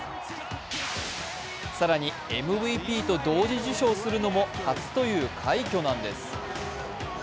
更に、ＭＶＰと同時受賞するのも初という快挙なんです。